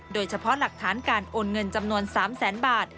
โดยเฉพาะหลักฐานการโอนเงินจำนวน๓แสนบาท